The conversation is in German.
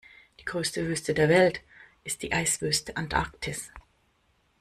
Die größte Wüste der Welt ist die Eiswüste Antarktis.